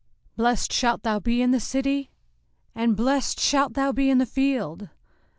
05:028:003 Blessed shalt thou be in the city, and blessed shalt thou be in the field.